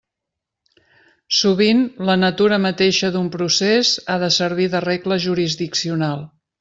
Sovint la natura mateixa d'un procés ha de servir de regla jurisdiccional.